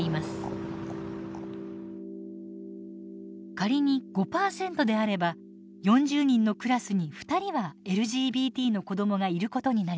仮に５％であれば４０人のクラスに２人はＬＧＢＴの子どもがいることになります。